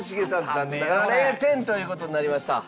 残念ながら０点という事になりました。